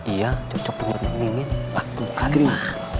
iya cocok buat nenging